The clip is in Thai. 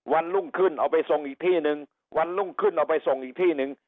วันรุ่งขึ้นเอาไปทรงอีกที่หนึ่งวันรุ่งขึ้นเอาไปส่งอีกที่หนึ่ง